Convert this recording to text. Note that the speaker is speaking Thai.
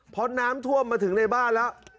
เพราะน้ำท่วมมาถึงในบ้านแล้ว